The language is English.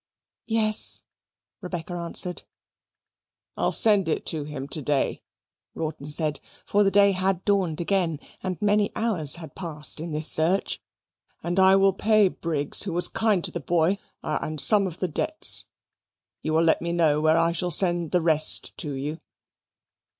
"Yes," Rebecca answered. "I'll send it to him to day," Rawdon said (for day had dawned again, and many hours had passed in this search), "and I will pay Briggs, who was kind to the boy, and some of the debts. You will let me know where I shall send the rest to you.